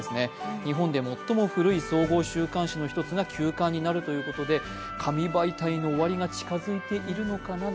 日本で最も古い総合週刊誌の１つが休刊になるということで、紙媒体の終わりが近づいているのかなと